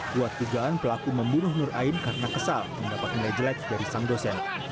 kuat kegagalan pelaku membunuh nur ayn karena kesal mendapatkan lejelaj dari sang dosen